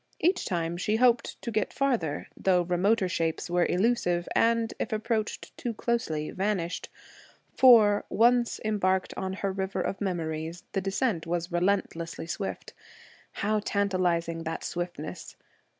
Each time, she hoped to get further, though remoter shapes were illusive, and, if approached too closely, vanished, for, once embarked on her river of memories, the descent was relentlessly swift. How tantalizing that swiftness!